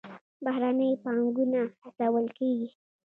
بهرنۍ پانګونه هڅول کیږي